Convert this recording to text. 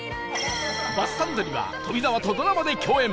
バスサンドには富澤とドラマで共演